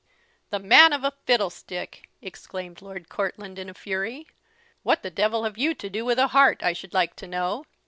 "The man of a fiddlestick!" exclaimed Lord Courtland in a fury; "what the devil have you to do with a heart, I should like to know?